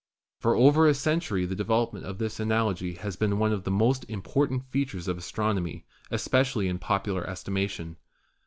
For over a century the development of this analogy has been one of the most important fea tures of astronomy, especially in popular estimation.